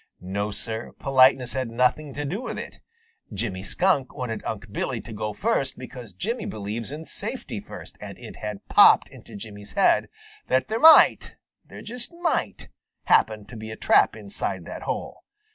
No, Sir, politeness had nothing to do with it Jimmy Skunk wanted Unc' Billy to go first because Jimmy believes in safety first, and it had popped into Jimmy's head that there might, there just might, happen to be a trap inside that hole.